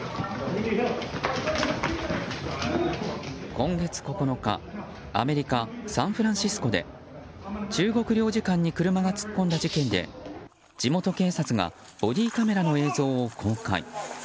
今月９日アメリカ・サンフランシスコで中国領事館に車が突っ込んだ事件で地元警察がボディーカメラの映像を公開。